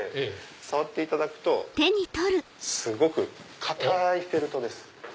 触っていただくとすごく硬いフェルトです。